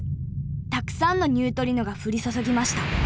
たくさんのニュートリノが降り注ぎました。